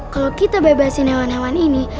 kalau kita bebasin hewan hewan ini